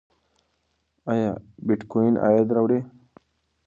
ایا بېټکوین عاید راوړي؟